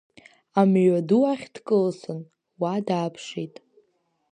Амҩаду ахь дкылсын, уа дааԥшит.